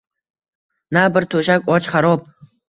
Na bir to’shak, och, xarob